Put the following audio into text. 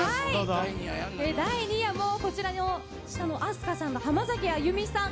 第２夜もこちらのＡＳＫＡさん、浜崎あゆみさん